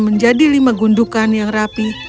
menjadi lima gundukan yang rapi